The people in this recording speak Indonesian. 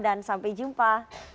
dan sampai jumpa